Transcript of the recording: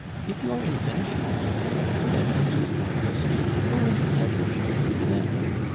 If your invention is perfected and answers the purpose, go into partnership with them.